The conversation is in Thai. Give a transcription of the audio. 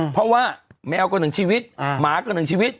เพราะว่าแมวก็หนึ่งชีวิตหมาก็หนึ่งชีวิต